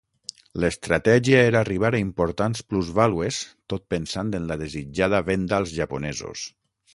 L'estratègia era arribar a importants plusvàlues tot pensant en la desitjada venda als japonesos.